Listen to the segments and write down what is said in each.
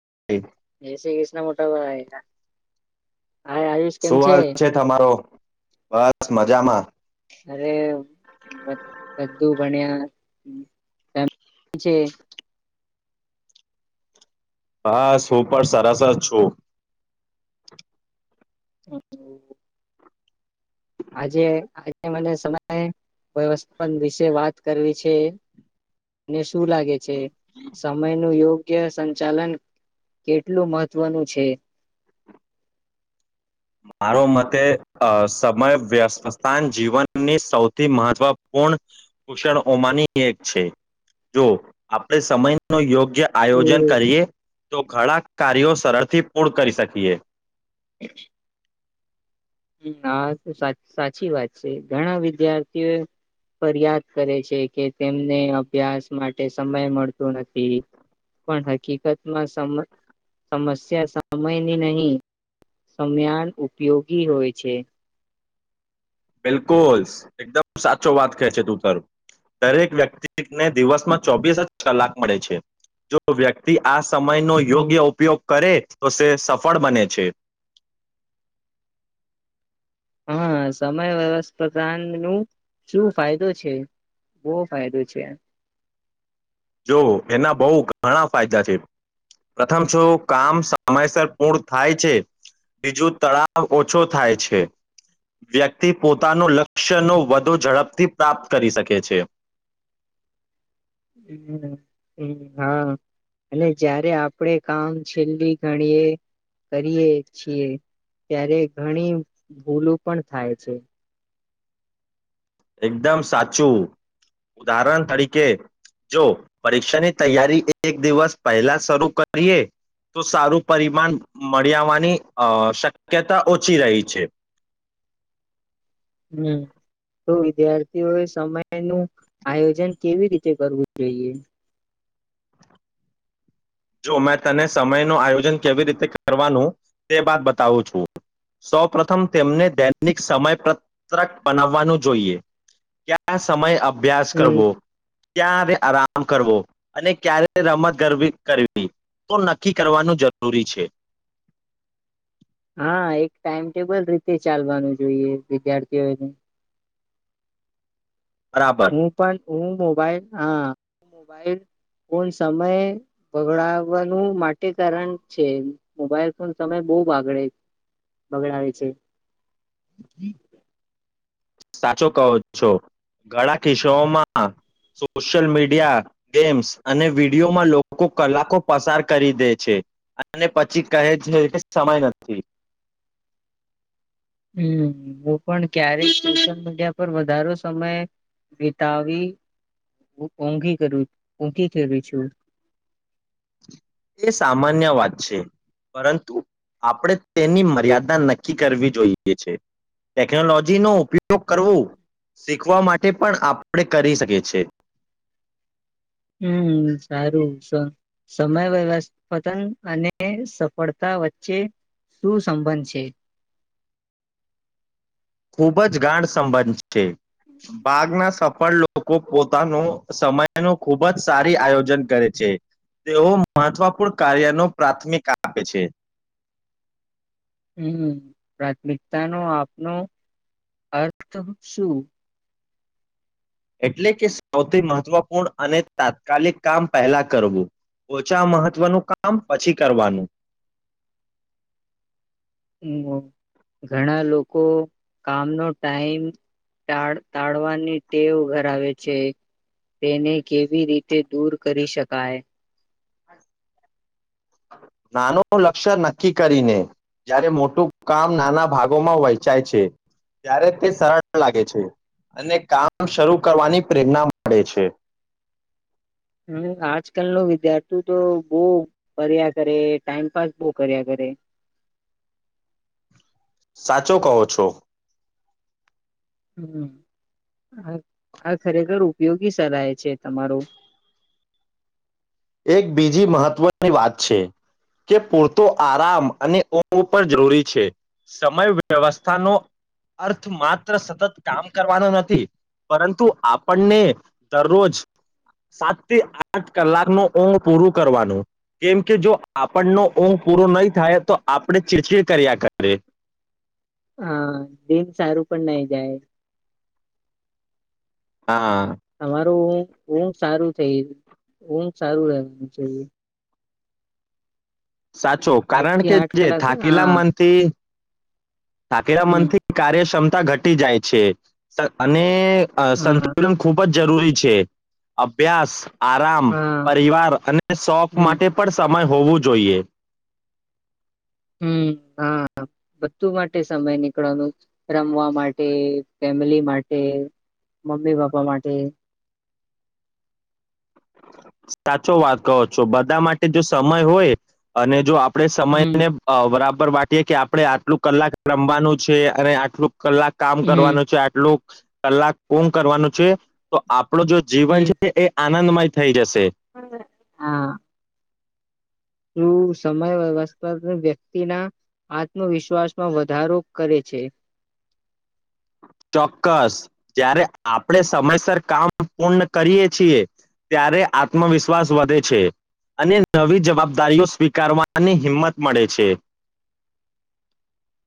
[inaudible] જાય શ્રી ક્રિષ્ના મોટા ભાઈ હા આયુષ કેમ શું છે હાલ તમારો બસ મજામાં અરે બધું ભણ્યા [unintelligible] જે બસ હું પણ સરસ જ છું [inaudible] આજે આજે મને સમય વ્યવસ્થાન વિશે વાત કરવી છે મને શું લાગે છે સમયનું યોગ્ય સંચાલન કેટલું મહત્વનું છે મારો મતે સમય વ્યથાન જીવનની સૌથી મહત્વપૂર્ણ કુશણમાંની એક છે જો આપણે સમય નો યોગ્ય જે આયોજન હમ, કરીએ તો ઘણા કાર્યો સરળથી પૂર્ણ કરી શકીએ [inaudible] હ હા સાચી વાત છે ઘણા વિદ્યાર્થીઓ ફરિયાદ કરે છે કે તેમને અભ્યાસ માટે સમય મળતો નથી પણ હકીકતમાં સમ સમસ્યા સમયની નહી સમ્યાન ઉપયોગી હોય છે બિલકુલ એકદમ સાચો વાત ક છે તુંતર દરેક વ્યક્તિને દિવસમાં ચોવીસ જ કલાક મળે છે જો વ્યક્તિ આ સમય નો હમ યોગ્ય ઉપયોગ કરે તો સ સફળ બને છે હા સમય વસ્પધાન નું શું ફાયદો છે બો ફાયદો છે જોઓ એના બહુ ઘણા ફાયદા છે પ્રથમ છો કામ સમયસર પૂર્ણ થાય છે બીજું તળાવ ઓછો થાય છે વ્યક્તિ પોતાનું લક્ષ્યનો વધુ ઝડપથી પ્રાપ્ત કરી શકે છે હમ્મ હમ્મ હા અને જારે આપણે કામ છેલ્લી ઘણીએ કરીએ છીએ ત્યારે ઘણી ભૂલું પણ થાય છે એકદમ સાચું ઉદાહરણ તરીકે જો પરીક્ષાની તૈયારી એક દિવસ પહેલા શરૂ કરીએ તો સારું પરિમાણ મળીવાની શક્યતા ઓછી રહી છે હમ્મ તો વિદ્યાર્થીઓએ સમય નું આયોજન કેવી રીતે કરવું જોઈએ જો મેં તને સમય નું આયોજન કેવી રીતે કરવાનું તે બાદ બતાવું છું સૌ પ્રથમ તેમને દૈનિક સમય પત્રક બનાવવાનું જોઈએ ક્યા સમય અભ્યાસ હમ કરવો ક્યારે આરામ કરવો અને ક્યારે રમત ગર વી કરવી તો નક્કી કરવાનું જરૂરી છે હા એક ટાઈમટેબલ રીતે ચાલવાનું જોઈએ વિદ્યાર્થીઓને બરાબર હું પણ હું મોબાઈલ હા મોબાઈલ ફ સમય બગડવાનું માટે કારણ છે મોબાઈલ ફ સમય બહ બગડે બગડાવે છે સાચો કહો છો ઘણા કિસ્સામાં સોશિયલ મીડિયા ગેમ્સ અને વિડીિયોમાં લોકો કલાકો પસાર કરી દે છે અને પછી કહે છે કે સમય નથી હમ્મ હું પણ ક્યારેક સોશિયલ મીડિયા પર વધારો સમય વિતાવીઘી કરુ છું એ સામાન્ય વાત છે પરંતુ આપણે તેની મર્યાદા નક્કી કરવી જોઈએ છે ટેકનોલોજીનો ઉપયોગ કરવો શીખવા માટે પણ આપણે કરી શકીએ છે હમ્મ સારું સમય વ્યવસ્થાન અને સફળતા વચ્ચે શું સંબંધ છે ખૂબ જ ગાઢ સંબંધ છે ભાગના સફળ લોકો પોતાનો સમય ન ખૂબ જ સારી આયોજન કરે છે તેઓ મહત્વપૂર્ણ કાર્ય ન પ્રાથમિકતા આપે છે હમ્મ પ્રાથમિકતાનોો આપનો અર્થ શું એટલે કે સૌથી મહત્વપૂર્ણ અને તાત્કાલિક કામ પહેલા કરવું ઓછા મહત્વનું કામ પછી કરવાનું હ ઘણા લોકો કામનો ટાઈમ ટા ટાળવાની ટેવ ધરાવે છે તેને કેવી રીતે દૂર કરી શકાય નાનું લક્ષ્ય નક્કી કરીને જ્યારે મોટું કામ નાના ભાગોમાં વહેંચાય છે ત્યારે તે સરળ લાગે છે અને કામ શરૂ કરવાની પ્રેરણા મળે છે હમ આજ કલ ન વિદ્યાર્થીુ તો બહ કર્યા કરે ટાઈમપાસ બહ કર્યા કરે સાચો કહો છો હમ આ ખરેખર ઉપયોગી સલાાય છે તમારું એક બીજી મહત્વની વાત છે કે પૂરતો આરામ અને ઉપર જરૂરી છે સમય વ્યવસ્થાનો અર્થ માત્ર સતત કામ કરવાનો નથી પરંતુ આપણને દરરોજ સાત થી આઠ કલાકનો ઊંઘ પૂરું કરવાનું કેમ કે જો આપણનો ઊંઘ પૂરો નહીં થાય તો આપણે ચીરચીડ કર્યા કરે હા દિન સારું પણ નાઈ જાય હા તમારું હ સારું થઈ સારું રહે સાચો સાત કારણ થી કે આઠ જે કલાક થાકીલા હા મનથી ઠારા હમ મનથી કાર્યક્ષમતા ઘટી જાય છે અને હા સંતુલન ખૂબ જ જરૂરી છે અભ્યાસ આરામ હા પરિવાર અને શોખ હમ માટે પણ સ ય હોવું જોઈએ હમ હા બધું માટે સમય નીકળવાનું રમવા માટે ફેમિલી માટે મમ્મી પપ્પા માટે સાચો વાત કો છો બધા માટે જો સમય હોય અને જો આપ આપણે હમ સમયને બરાબર પર વાટીએ કે આપણે આટલું કલાક રમવાનું છે અને આટલું કલાક કામ હમ કરવાનું છે આટલું કલાક કોણ કરવાનું છે તો આપ આપડ જો હમ જીવન છે એ નંદ થઈ જ છે તે શ સમય વ્યવસ્થા વ્યક્તિના આત્મવિશ્વાસમાં વધારો કરે છે ચોક્કસ જ્યારે આપણે સમયસર કામ પૂર્ણ કરીએ છીએ ત્યારે આત્મવિશ્વાસ વધે છે અને નવી જવાબદારીઓ સ્વીકારવાની હિંમત મળે છે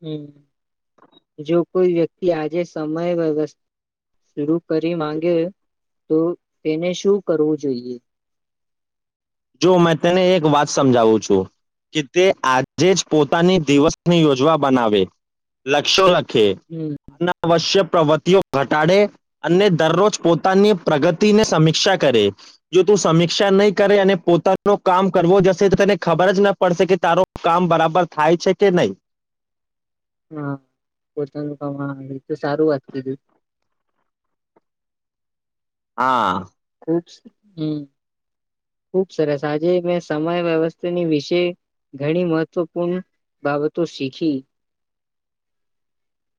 હમ જોુ કોઈ વ્યક્તિ આજે સમય વ્યવસ્થા શરૂ કરી માંગે તો તેને શું કરવું જોઈએ જો મેં તેને એક વાત સમજાવું છું કે તે આજે જ પોતાની દિવસની યોજવા બનાવે લક્ષ હમ અનાવશ્યક પ્રવતિઓ ઘટાડે અને દરરોજ પોતાની પ્રગતિની સમીક્ષા કરે જો તું સમીક્ષા નહીં કરે અને પોતાનો કામ કરવો જશે તો તેને ખબર જ ના પડશે કે તારો કામ બરાબર થાય છે કે નહીં હા પોતાનું ક તો સારું વાત કીધું હા ખ હમ ખુબ સરસ આજે મેં સમય વ્યવસ્થાની વિશે ઘણી મહત્વપૂર્ણ બાબતો શીખી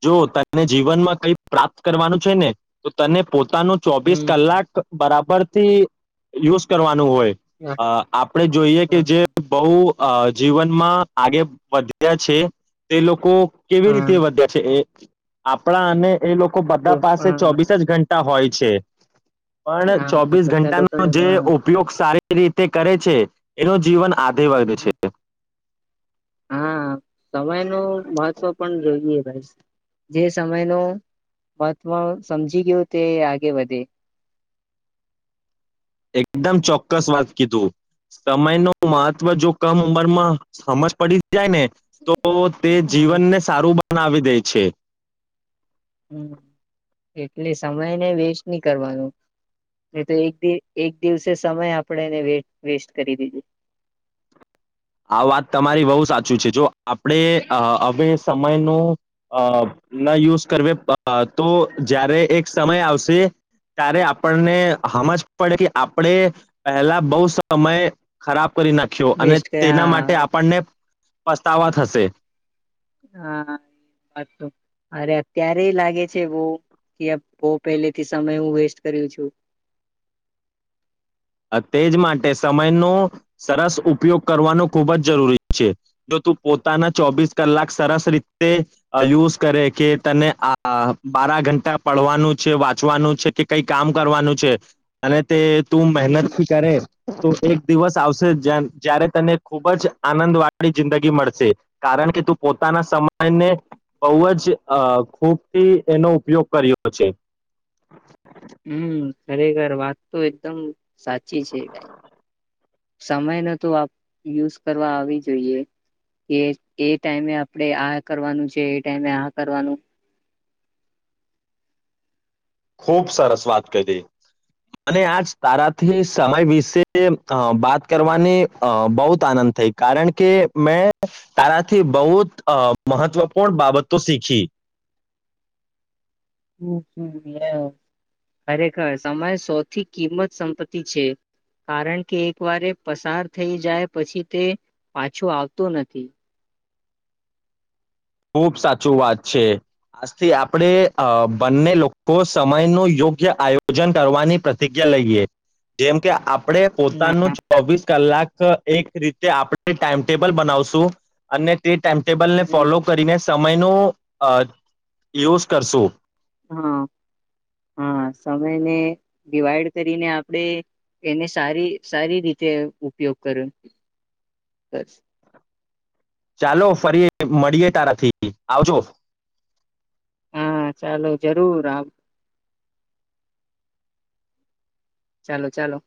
જો તને જીવનમાં કઈ પ્રાપ્ત કરવાનું છે ને તો તને પો પો ન ચોવીસ હમ કલાક બરાબર થી યુઝ કરવા નુ હોય હા આપણે જોઈએ કે જે હા બહુ અ જીવનમાં આગે વધ્યા છે તે લોકો કેવી રીતે વધ્યા એ આપણા અને એ લોકો બધા પાસે હા ચોવીસ જ ઘં ટા હોય છે. પણ હા ચોબસ બધા ઘંટાનો લોકોને જે હા ઉપયોગ સારી રીતે કરે છે‌. એનો જીવન આગે વધ છે. હા સમય નો મહત્વ પણ જોઈએ જે સમય નો મહત્વ સમજી ગયો તે આગે વધે. એકદમ ચોક્કસ વાત કીધું સમય નો મહત્વ જો કમ ઉંમરમાં સમજ પડી. જાય ને તો તે હા જીવન ને સારું બના નાવી દે છે. હમ એટલે સમયને વેસ્ટ નહી કરવાનું, એ તો એક એક દિવસે સમય આપણે એને વે વેસ્ટ કરી દેય. આ વાત તમારી બહુ સાચી છે જો આપણે હવે સમય ન અ ન યુઝ કરવી તો જ્યારે એક સમય આવશે ત્યારે આપણને હમજ પડે કે આપણે પહેલા બહુ સમય ખરાબ કરી નાખ્યો અને વેસ્ટ તેના હા માટે આપણને પસ્તાવા થશે. હા એ વાત તો અરે અત્યારે લાગે છે, બહુ કે બહુ પહેલેથી સમય હું વેસ્ટ કર્યું છું. તે જ માટે સમયનો સરસ ઉપયોગ કરવાનો ખૂબ જ જરૂરી છે, જો તું પોતાના ચોવીસ કલાક સરસ રીતે અ યુઝ કરે કે તને આ બારા ઘંટા પડવાનું છે વાંચવાનું છે કે કઈ કામ કરવાનું છે અને તે તું હમ મહેનતથી કરે. તું એક દિવસ આવશે જ્યારે તને ખૂબ જ આનંદ વાળી જિંદગી મળશે કારણ કે તું પોતાના સમયને બહ જ ખૂબથી એનો ઉપયોગ કર્યો છે. હમ ખરેખર વાત તો એકદમ સાચી છે સમય ન તો યુઝ કરવા આવી જોઈએ કે એ ટાઈમે આપણેે આ કરવાનું છે એ ટાઈમે આ કરવાનું. ખૂબ સરસ વાત કરી મ આજ તારાથી સમય વિશે વાત કરવાની બહુત આનંદ થઈ કારણ કે મેં તારાથી બહુ જ મહત્વપૂર્ણ બાબતો શીખી. હમ ખરેખર સમય સૌથી કિંમત સંપત્તિ છે કારણ કે એક વારે પસાર થઈ જાય પછી તે પાછો આવતો નથી. ખુબ સાચું વાત છે આજથી આપણે બંને લોકો સમય નું યોગ્ય આયોજન કરવાની પ્રતિજ્ઞા લઈએ જેમ કે આપ આપણે હા પોતાનું જ ચોવીસ કલાક જ એક રીતે આપણે ટાઈમટેબલ બનાવશું અને તે ટાઈમટેબલ ને હમ ફોલો સમય નો અ યુઝ કરશું. હા હા સમયને ડિવાઈડ કરીને આપણેે એને સારી સારી રીતે ઉપયોગ કરો બસ ચાલો ફરી મળીએે તારથી આવજો. હા ચાલો જરૂર આવ. ચાલો-ચાલો.